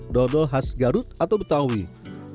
dodol khas garut atau betawi